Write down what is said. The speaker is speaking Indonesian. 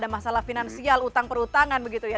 ada masalah finansial utang perutangan begitu ya